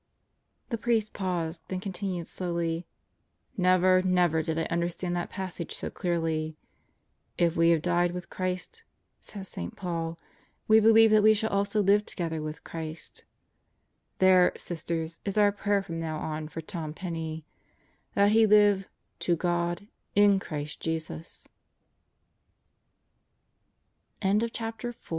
" The priest paused, then continued slowly, "Never, never did I understand that passage so clearly: 'If we have died with Christ,' says St. Paul, 'we believe that we shall also live together with Christ/ There, Sisters, is our prayer from now on for Tom Penney that he live 'to